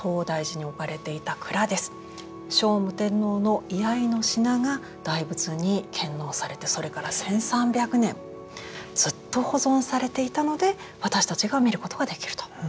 聖武天皇の遺愛の品が大仏に献納されてそれから１，３００年ずっと保存されていたので私たちが見ることができると。